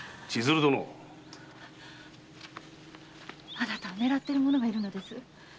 あなたを狙ってる者がいるのです。